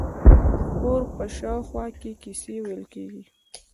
د اور په شاوخوا کې کیسې ویل کیږي.